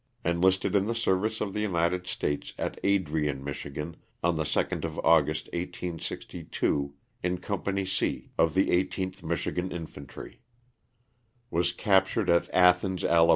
Enlisted in the service of the United States at Adrian, Mich., on the 2nd of August, 1862, in Company C, of the 18th Michigan Infantry. Was captured at Athens, Ala.